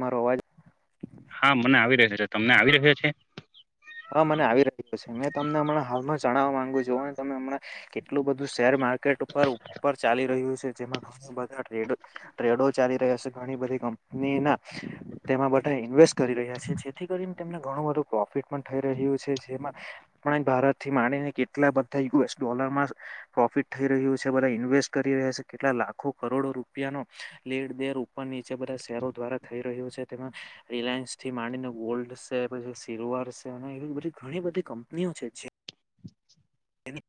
મારો અવાજ હા મને આવી રહ્યો છે મેં તમને હમણાં હાલમાં જણાવવા માંગુ છુ તમે હમણાં એટલું બધું શેર માર્કેટ ઉપ ઉપર ચાલી રહ્યું છે જેમાં ઘણ બધા ટ્રેડો ચાલી રહ્યા વેસે ઘણી બધી કંપનીના તેમાં બધા ઇન્વેસ્ટ કરી રહ્યા છે જેથી કરીને તેમને ઘણું બધો પ્રોફીટ થઈ રહ્યું છે જેમાં ભારત થી માનીને કેટલા બધા યુએસ ડોલરમાં પ્રોફિટ થઈ રહ્યું છે બધા ઇન્વેસ્ટ કરી રહ્યા છે કેટલા લાખો કરોડો રૂપિયા ન લેવડ દેવડ ઉપર નીચે જે બધા શેરો દ્વારા થઈ રહ્યું છે તેમાં રિલાયન્સ થી માંડીને ગોલ્ડ છે સિલ્વર છે એવી બધી ઘણી બધી કંપનીઓ છે જે એની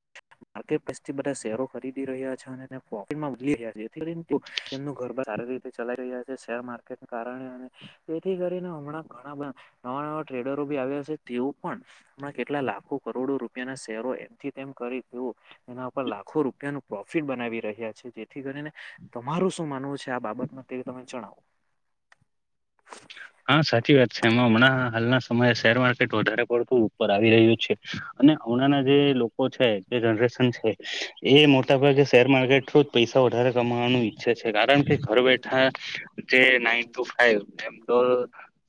માર્કેટ પથી બધા શેરો ખરીદી રહ્યા છે અને પ્રોફિટમાં વધી રહ્યા છે જે થી કરીને સારી રીતે ચલાઈ રહ્યા છે શેર માર્કેટના કારણે અને તેથી કરીને હમણાં ઘણા બધા નવા નવા ટ્રેડરો ભી આવ્યા તેઓ પણ હમણાં કેટલા લાખો કરોડો રૂપિયાના શેરો એ તેમ કરી તેઓ એના ઉપર લાખો રૂપિયા ન પ્રોફિટ બનાવી રહ્યા છે જેથી કરીને તમારું શું માનવું છે આ બાબતમાં તે તમે જણાવો હા સાચી વાત છે એમાં હમણાં હાલના સમયે શેર માર્કેટ વધારે પડતું પર આવી રહ્યું છે અને હણાંના જે લોકો છે જે જનરેશન છે એ મોટાભાગે [unintelligible] પૈસા વધારે કમાવાનું ઈચ્છે છે કારણ કે ઘર બેઠા જે થાય એમ તો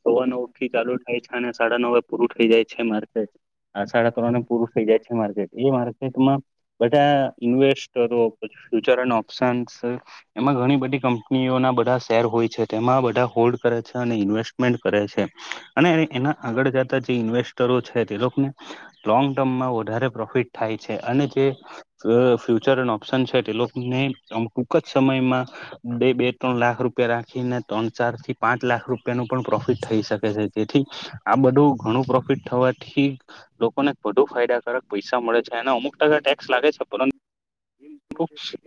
સવા નવ થી ચાલુ થાય છે અને સાડા નવ પૂરું થઈ જાય છે માર્કેટ સાડા ત્રણને પૂરું થઈ જાય છે માર્કેટ એ માર્કેટમાં બટ આ ઇન્વેસ્ટરો ફ્યુચર એડ ઓપ્શન્ એમાં ઘણી બધી કંપનીઓના ના બધા શેર હોય છે તેમાં બધા હોલ્ડ કરે અને ઇન્વેસ્ટમેન્ટ કરે છે અને એના આગળ જતા જે ઇન્વેસ્ટરો છે તે લોકોને લોંગ ટર્મમાં વધારે પ્રોફિટ થાય છે અને જે ફ્યુચર એડ ઓપ્શન છે તે લોકો ને ટૂક જ સમયમાં બે બે ત્રણ લાખ રૂપિયા રાખીને ત્રણ ચાર થી પાંચ લાખ રૂપિયા નું પણ પ્રોફિટ થઈ શકે છે જેથી આ બધું ઘણું પ્રોફિટ થવાથી લોકોને વધુ ફાયદાકારક પૈસા મળે છે હને અમુક ટકા ટક્સ લાગે છે પરંતુ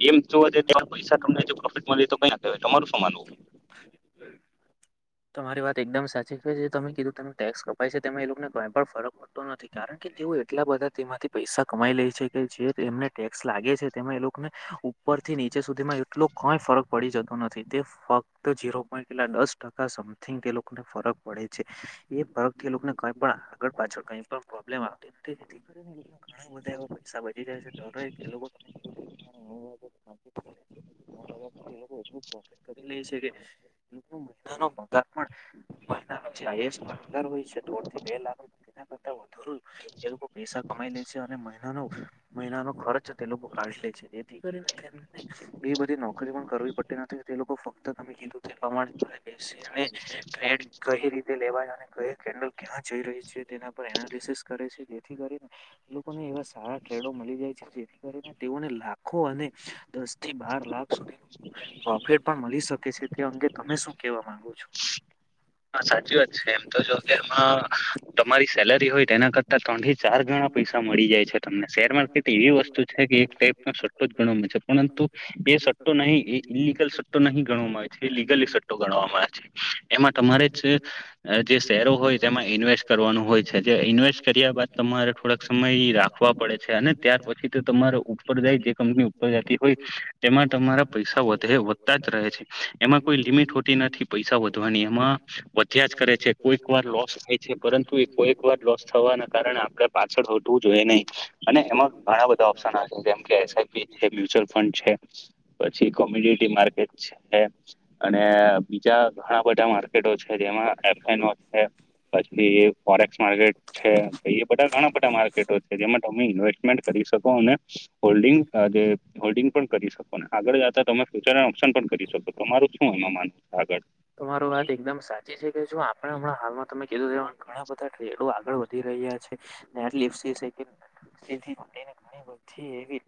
એમ જોવા જાય તો પૈસા તમને પ્રોફિટ માં લે તો ક તમારું સમાનવું [inaudible] તમારી વાત એકદમ સાચી છે જે તમે કીધું તને ટેક્સ કપાય છે તેમે એ લોકોને કઈ પણ ફરક પડતો નથી કારણ કે તેઓ એટલા બધા તેમાંથી પૈસા કમાઈ લે છે કે જે એને ટેક્સ લાગે છે તેમાં એ લોકોને ઉપરથી નીચે સુધીમાં એટલો કઈ ફરક પડી જતો નથી તે ફક્ત જીરો પોઈન્ટ કેટલા દસ ટકા સમથિંગ ફરક પડે છે એ ફરક તે લોકોને કઈ આગળ પાછળ કબ્લેમ લોકો ઘણા બધા એવા પૈસા બચી જ્યા છે ડો એ લોકો તમેધ [inaudible] થી બે લાખપ લોકો પૈસા કમાઈ લે છે અને મહિનાનો મહિનાનો ખર્ચ તે લોકો કાઢી લે છે તેથી એ બધી નોકરી પણ કરવી પડતી નથી જે લોકો ફક્ત તમે કીધું તે પ્રમાણે ટડ કઈ રીતે લેવા ક કેન્ડલ ક્યાં જોઈ રહી છે તેના પર એનાલિસસ કરે છે જેથી કરીને લોકોને એવા સારા ટ્રેડો મળી જાય છે જેથી કરીને તેઓને લાભ ખો અને દસ થી બાર લાખ સુધી પ્રોફિટ પણ મળી શકે છે તે અંગે તમે શું કેવા માંગો છો હા સાચી વાત છે એમ તો જો ઘમાં તમારી સેલેરી હોય તેના કરતા ત્રણ થી ચાર ગણા પૈસા મળી જાય છે તમને શેર માર્કેટ એવી વસ્તુ છે કે એક ટાઈપનો સટ્ટો જ ગણવામાં આવે છે પરંતુ એ સટ્ટો નહીં એ ઇલિગલ સટ્ટો નહી ગણવામાં આવે છે એ લીગલી સટ્ટો એમાં તમારે જ જે શેરો હોય તેમાં ઇન્વેસ્ટ કરવાનું હોય જે ઇન્વેસ્ટ કર્યા બાદ તમારે થોડાક સમય રાખવા પડે છે અને ત્યાર પછી તો તમારે ઉપર નીરતી હોય તેમાં તમારા પૈસા વધે વધતા જ રહે છે એમાં કોઈ લિમિટ [unintelligible] નથી પૈસા વધવાની એમાં વધ્યા જ કરે છે કોઈક વાર લોસ થાય છે પરંતુ કોક વર લોસ થવાના કારણે આપડણે પાછળ હોટવું જોઈએ નહી અને એમાં ઘણા બધા ઓપ્શન જેમ કે સ છે મ્યુચ્યુલ ફંડ છે પછી કોમ્યુનિટી માર્કેટ છે અને બીજા ઘણા બધા મા માકેટ છે જેમાં એફ છે પછી ફોરેક્સ માર્કેટ છે એ બધા ઘણા બધા માર્કેટો છે જેમાં તમે ઇન્વેસ્ટમેન્ટ કરી શકો અને હોલ્ડિંગ આ હોલ્ડિંગ પણ કરી શકો ને આગળ જતા તો તમે ફ્યુચર ઓપ્શન પણ કરી શકો તમારું શું એમાં માનવું છે આગળ તમાર વાત એકદમ સાચી છે કે જો આપણે હમણાં હાલમાં તમે કીધું ત ઘણા બધા ટ્રેડો આગળ વધી રહ્યા છે ટ લફ સ ડીને ઘણી બધી એવી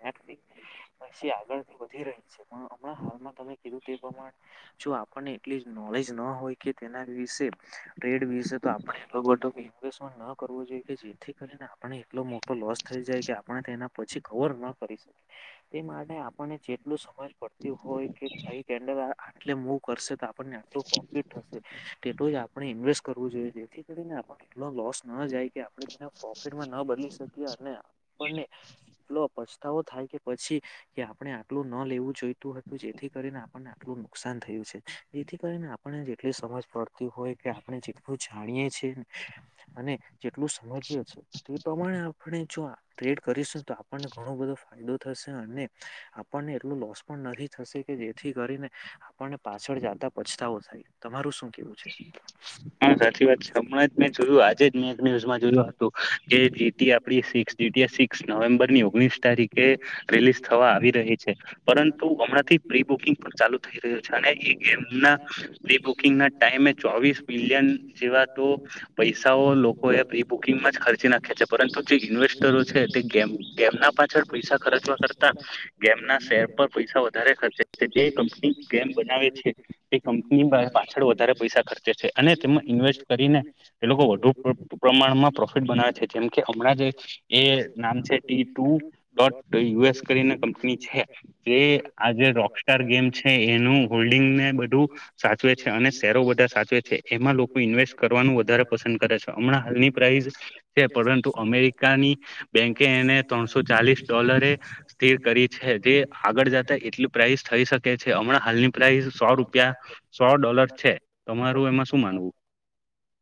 પછી આગળથી વધી રહી છે હમણાં હાલમાં તમે કીધું તે પ્રમાણે જો આપણને એટલી નોલેજ ન હોય કે તેના વિશે ટ્રેડ વિશે તો આપણે એ ઇન્સન્ટ ન કરવું જોઈએ કે જેથી કરીને આપણે એટલો મોટો લોસ થઈ જાય કે આપણે તેના પછી કવર ના કરી શકે તે માટે આપને જેટલું પડ હોય કે કન્ આટલે કરશે પ્રોફિટ થશે તે આપણે ઇન્વેસ્ટ કરવું જોઈએ જેથી કરીને આપણને એટલો લોસ ન જાય કે આપણે તેના પ્રોફિટમાં ન બદલી શકીએ અને આપને એટલો પછતાવો થાય કે પછી કે આપણે આટલું ન લેવું જોઈતું હતું જેથી કરીને આપણને આટલું નુકસાન થયું છે જેથી કરીને આપણે જેટલી સમજ પડતી હોય કે આપણે જેટલું જાણીએ છી અને જેટલું સમજીએી તે પ્રમાણે આપણે જો ટ્રેડ કરીશું તો આપણને ઘણું બધું ફાયદો થશે અને આપણને એટલું લોસ પણ નથી થશે કે જેથી કરીને આપણને પાછળ જ પછતાવો થાય તમારું શું કેવું છે હા સાચી વાત છે હમણાં જ મેં જોયું આજે જ મેં ન્યૂઝમાં જોયું હતું જે જીટી આપડી ્ નવેમ્બરની ઓગણીસ તારીખે રિલીઝ થવા આવી રહી છે પરંતુ પ્ર બુંગ પણ ચાલુ થઈ રહ છે ગમ પ્રબુંગ ના ટાઈમે ચોવીસ જેવા પૈસાઓ લોકો એ પ્રી બુકિંગમાં જ ખર્ચી નાખ્યા છે પરંતુ જે ઇન્સ્ટ તે ગેમના પાછળ પૈસા ખર્ચવા કરતા ગેમના શેર પર પૈસા વધારે જે કંપની ગેમ બનાવે છે તે કંપની પાછળ વધારે પૈસા ખર્ચે છે અને તેમાં ઇન્વેસ્ટ કરીને એ લોકો વધુ પ્રમાણમાં પ્રોફિટ બનાવે છે જેમકે હમણાં જે એ નામ છે T two dot U S કરીને કંપની છે જે જે રોકસ્ટ્ટાર ગેમ છે એનું હોલ્ડિંગ ને બધું સાચવે છે અને શેરો બધા સાચવે છે એમાં લોકો ઇન્વેસ્ટ કરવાનું વધારે પસંદ કરે છે હમણાં હાલની પ્રઇસ છે પરંતુ અમેરિકાની એને ત્રણસો ચાલીસ ડોલરે સ્થિર કરી છે જે આગળ જતા એટલી પ્રાઇઝ થઈ શકે છે હમણાં હાલની પ્રાઇઝ સો રૂપિયા સો ડોલર છે તમારું એમાં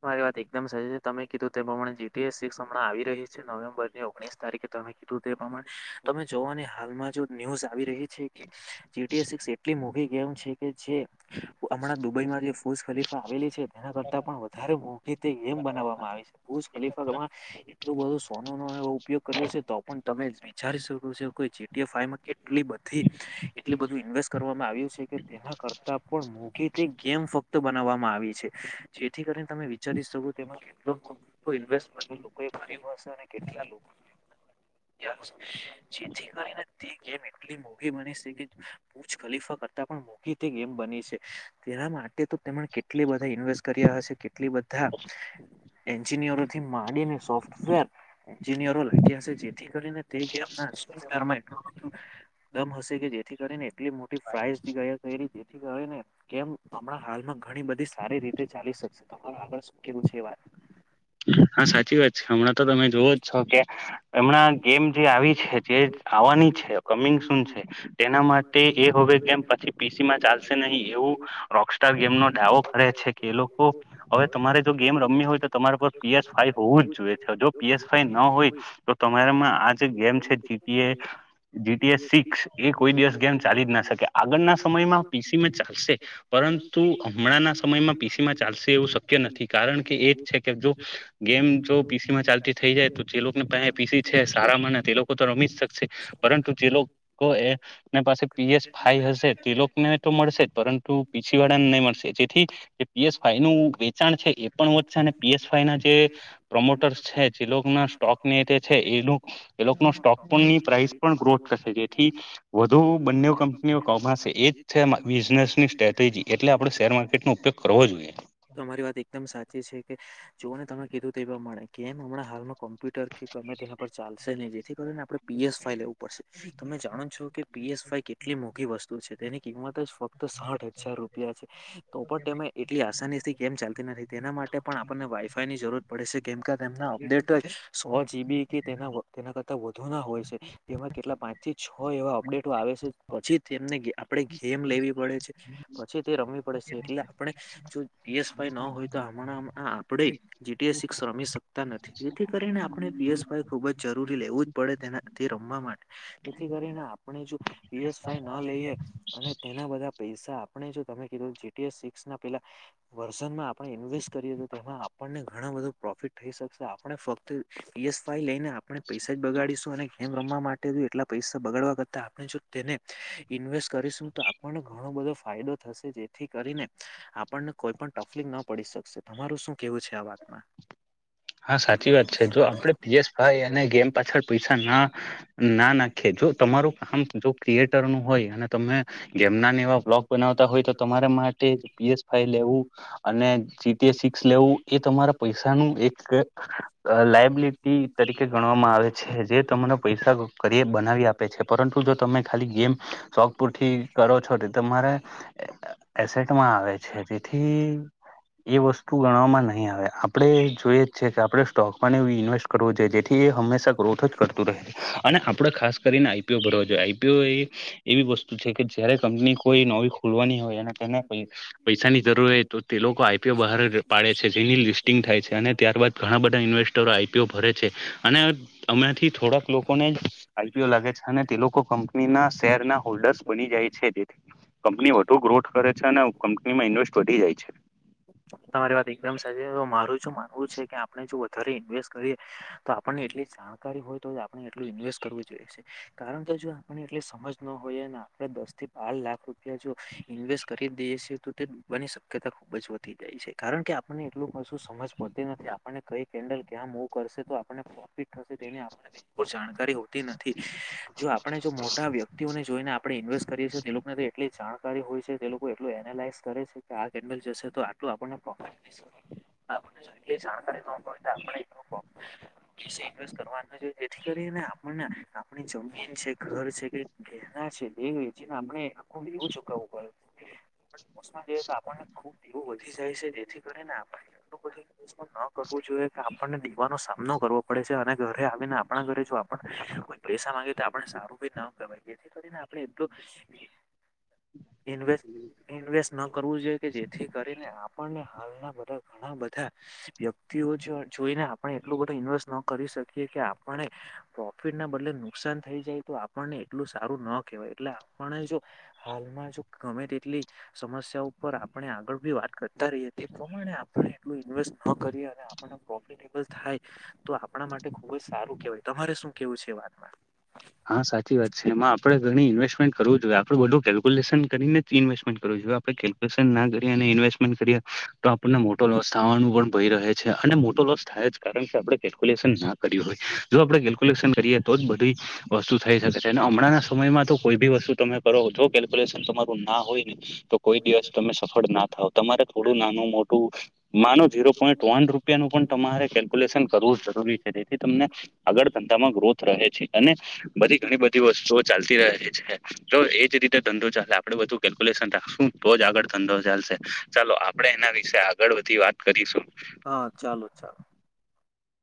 મારી વાત એકદમ સાચી છે તમે કીધું તે પ્રમાણે જીટીએસ સિક્સ હમણાં આવી રહી છે નવેમ્બર ની ઓગણીસ તારીખે તમે કીધું તે પ્રમાણે તમે જોવો ને હાલમાં જો ન્યુઝ આવી રહી છે કે જીટીએસ સિક્સ એક મોટી એમ છે કે જે હમણાં દુબઈમાં જે બુર્ઝ ખલીફા આવેલી છે એના કરતા પણ વધારે મોટી તે એમ બનાવવામાં આવી છે બુર્ઝ ખલીફમાં એટલું બધું સોનું ન ઉપયોગ કર્યો છે તો પણ તમે વિચારી શકો છો કે જીટીએસ ફાઇવ માં કેટલી બધી એટલુ બધું ઇન્વેસ્ટ કરવામાં આવ્યું છે તેના કરતા પણ મોકી તે ગેમ ફક્ત બનાવવામાં આવી છે જેથી કરીને તમે વિચારી તે કેટ ન્વેસ્ટમે મારી હશે અને કેટલા લોકો જેથી કરીને તે ગેમ એટલી મોઘી બની છે કે બજ ખલીફા કર પણ મૂકી તે ગેમ બની છે તેના માટે તો કેટલી બધ ઇન્વેસ્ટ કર્યા હશે કેટલી બધા એન્જિનિયરો થી માંડીને સોફ્ટવેર એન્જનયરો લાગ્યા હશે જેથી કરીને તે કેમાં બ દમ હશે જેથી કરીને એટલી મો ફયા જેથી કરીને કેમ હમણાં હાલમાં ઘણી બધી સારી રીતે ચાલી શકશે તમાર આગળ શું કેવું છે એ વાત હા સાચી વાત છે હમણાં તો તમે જોવો જ છો કે એમણા ગેમ જે આવી છે જે આવવાની છે કમિંગ શન છે તેના માટે એ વ ગેમ પછી પીસી માં ચાલશે નહીં એવું રોકસ્ટ્ટાર ગેમ નો ડાવો ભરે છે કે લોકો હવે તમારે જો ગેમ રમી હોય તો તમારા પર પીએસ ફાઈ હોવું જ જોઈએ છે જો પીએસ ફાઈ ના હોય તો તમારામાં આ જે ગેમ છે જી જીટીએસ સિક્સ એ કોઈ દિવસ ગેમ ચાલી જ ના શકે આગળના સમયમાં પીસી ચાલશે પણ પરંતુ હમણાંના સમયમાં પીસીમાં ચાલશે એવું શક્ય નથી કારણ કે એ જ છે કે જો ગેમ જો પીસી માં ચાલતી થઇ જાય તો જે લોકોને પીસી છે સારા મને એ લોકો તો રમી જ શકશે ુ જે તેને તો મળશેુ છી વાળને નહી મળશે જેથીસ ન વેચાણ છે એ પણશે હવે એના જે પ્રમોટર્સ છે જે લોકો ના સ્ટોક ને એ તે છે એ લોક એ લોકોના સ્ટોક પણ પ્રાઇઝ પણ ગ્રોથ થશે જેથી વધુ બંને કંપનીઓ કમાશે એ જ છે બિઝનેસ ચી સ્ટ્રેટેજી એટલે આપણે શેર માર્કેટ નો ઉપયોગ કરવો જોઈએ તમારી વાત એકદમ સાચી છે કે જોવો ને તમે કીધું તે પ્રમાણે કેમ હમણા હાલમાં કોમ્પ્યુટર કે તેના પર ચાલશે નહી જેથી કરીને આપણે પીએસ ફાઇવ લેવું પડશે તમે જાણો છો કે પીએસ ફાઈવ કેટલી મોઘી વસ્તુ છે તેની કિંમત ફક્ત જ ફક્ત સાઠ હજાર રૂપિયા છે તો પણ તેમાં એટલી આસાની થી ચાલતી નથી તેના માટે પણ આપણને વાઈફાઈ ની જરૂર પડે છે કેમ કે તેમના અપડેટ જ સો જીબી કે તેના તેના કરતા વધુ ના હોય છે તેમાં કેટલા પાંચથી છ હોય એવા અપડેટો આવે છે પછી તેમને આપણે ગેમ લેવી પડે છે પછી તે રમવી પડે છે એટલે આપણે પીએસ ફાઈ ન હોય તો હમણા આપડે જીટીએસ સિક્સ રમી શકતા નથી જેથી કરીને આપણે પીએસ ફાઈવ ખુબ જ જરૂરી લેવું જ પડે તેને તે રમવા માટે તેથી કરીને આપણે જો પીએસ ફાઈવ ના લઈએ અને તેના બધા પૈસા આપણે જો તમે કીધું જેટીએસ સિક્સ ના પેલા વર્ઝનમાં આપણે ઇન્વેસ્ટ કરીએ તો તેમાં આપણને ઘણું બધું પ્રોફિટ થઈ શકશે આપણે ફક્ત જી એસ ફાઈવ લઈને આપ આપણે પૈસા જ બગાડીશું અને ગેમ રમવા માટે બી એટલા પૈસા બગાડવા કરતાં આપણે જો તેને ઇન્વેસ્ટ કરીશું તો આપણને ઘણો બધો ફાયદો થશે જેથી કરીને આપણને કોઈ પણ તફલીફ ન પડી શકશે તમારું શું કેવું છે આ વાતમાં હા સાચી વાત છે જો આપડે પીયેશ ફાઇવ એ ગેમ પાછળ પૈસા ના ના નાખીએ જો તમારું કામ જો ક્રિએટર નું હોય અને તમે ગેમના એવા બ્લોગ બનાવતા હોય તો તમારે પી એસ ફાઈવ લેવું અને જી ટી એસ સિક્સ લેવું એ તમારા પૈસાનું એક કે લાયબિલિટી તરીકે ગણવામાં આવે છે જે તમને પૈસા કરી બનાવી આપે છે પરુતું જો તમે ખાલી ગેમ શોખ પૂર તી કરો છો તે તમારે એસેટમાં આવે છે તેથી એ વસ્તુ ગણવામાં નહીં આવે આપણે જોઈએ છે કે આપણે સ્ટોકમાંને એ ઇન્વેસ્ટ કરવો જોઈએ જેથી એ હંમેશા ગ્રોથ જ કરતું રહે છે અને આપડ ખાસ કરી. ને આઈપીઓ ભરવા જોએ આઈપીઓ એવી વસ્તુ છે કે જયારે કંપની કોઈ નોવી ખોલવાની હોય અનેની. પૈસાની જરૂર હોય તો તે લોકો આઈપીઓ બહાર પાડે છે જેની લિસ્ટિંગ થાય છે અને ત્યારબાદ ઘણા બધા ઇન્વેસ્ટરો આઈપીઓ ભરે છે અને અમંથી થોડાક લોકોને આઈપી લાગે છે અને તે લોકો કંપનીના શેર ના હોલ્ડર્સ બની જાય છે તેથી. કંપની વધુ ગ્રોથ કરે છે અને કંપનીમાં ઇન્વેસ્ટ વધી જાય છે. તમારી વાત એકદમ સાચી છે મારું શું માનવું છે કે આપણે વધુ જ્યારે ઇન્વેસ્ટ કરીએ તો આપણને એટલી જાણકારી હોય તો આપણે એટલું ઇન્વેસ્ટ કરવું જોઈએ કારણ કે જો આપણ ને એટલી સમજ ન હોયને આપણે દસ થી બાર લાખ રૂપિયા જો ઈન્વેસ્ટ કરી દઈએ છે તો તે બની શકે ખૂબ જ વધી જાય છે કારણ કે આપણને એટલું કશું સમજ પડતી નથી આપણને કઈ કેન્ડલ ક્યાં મુવ કરશું તો આપ પ્રોફિટ થશે તે ની આપણે કઈ હોય જાણ તૈયારી હોતી નથી જો આપણે જો મોટા વ્યક્તિઓને જોઈને આપણે ઇન્વેસ્ટ કરીએ છીએ તે લોકોને તો એટલી જાણ જાણકારી હોય છે તે લોકો એટલું એનાલાઈઝ કરે છે કે આ ટેન્ડર જસે તો હવે આટલું જ આપણ ને પ્રોફિટ થઈ સકે આપને જેટલી જાણકારી ન હોય તો આપણે એટલું પ્રોફિટ ઇન્ટ્રેસ કરવા નું નથી હોતું જેથી કરી આપણને આપણી જમીન છે ઘર છે કે ઘેના છે લે બેવ વેચી ને આપણે ને હું ચૂકવું પડે ઉષ્મા જોઈએ તો આપને ખુબ દેવું વધી જાય છે જેથી કરીને આપણે એટલું બધું ઇન્વેસ્ટમેન્ટ ન કરવું જોઈએ કે આપણને દીવાન સા નો કરવો પડે છે અને ઘરે આવીને આપણા ઘરજો આપના કોઈ પૈસા કોઈ માંગે તો આપણે સારું ભી નામ કરી એ કરીને આપણે એ તો ઇન્વેસ્ટ ઇન્વેસ્ટ ન કરવું જોઈએ કે જેથી કરીને આપણને હાલના બધા ઘણા બધા વ્યક્તિઓ જોઈને આપણે એટલું બધું ઇન્વેસ્ટ ન કર કરી શકીએ કે આપણે પ્રોફિટ ના બદલે નુકસાન થઈ જાય તો આપણને એટલું સારું ન કહેવાય. એટલે આપને જો હાલમાં જો ગમે તેટલી સમસ્યાઓ પર આપણે આગળ બી વાત કરતા રહીએ તે પ્રમાણે આપણે એટલું ઇન્વેસ્ટ ન કરીએ અને આપને પ્રોફિટેબ થાય તો આપણા માટે ખુબ જ સારું કેવાય તમારે શું કેવું છે વાતમાં. હા સાચી વાત છે એમાંડે ઘણી ઇન્વેસ્ટમેન્ટ કરવું જોઈએ આપડે બધું કેલ્ક્યુલેશન કરીને જ ઇન્વેસ્ટમેન્ટ કરવ જોઈએ. આપ ના કરી સ્ટમે કરી તો આપને મોટો લોસ થવા નો પણ ભય છે મોટો રોસ થાય કારણ કે આપણે કેલ્ક્યુલેશન ના કરી હોય જો આપણે કેલ્ક્યુલેશન કરીએ તો જ બધે થુ શકે છે અને હમણાં સમયમાં તો કોઈ બી વસ્તુ તમે કરો જો કેલ્ક્યુલેશન તમારું ના હોય ને તો દિવસ તમે સફળ ના થાવ તમારે થોડું નાનું મોટું માનો ઝીરો પોઈન્ટ વન રૂપિયાનું પણ તમારે કેલ્ક્યુલેશન કરવું જરૂરી છે જેથી તમને આગળ ધંધામાં ગ્રોથ રહે છે અને બધી ઘણી બધી વસ્તુઓ ચાલતી રહે છે તો એજ રીતે. ધંધો ચાલે આપે બધું કેલ્ક્યુલેશન રાખશું તો જ આગળ ધંધો ચાલશે ચાલો આપડણે એના વિશે આગળ વધી વાત હા ચાલો ચાલો